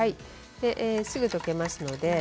すぐに溶けます。